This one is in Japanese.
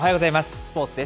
スポーツです。